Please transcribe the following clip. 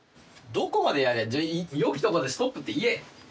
どこまでやれじゃ良きところでストップって言え！